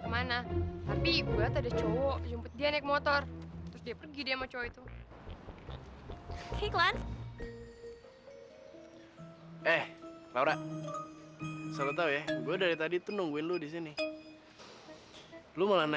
kayaknya dia udah kemaren